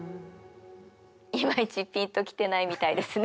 いまいちピンと来てないみたいですね。